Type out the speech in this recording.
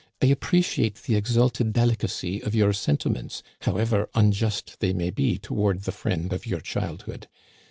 I appreciate the exalted deli cacy of your sentiments, however unjust they may be toward the friend of your childhood.